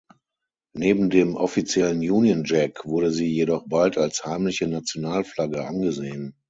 Neben dem offiziellen Union Jack wurde sie jedoch bald als heimliche Nationalflagge angesehen.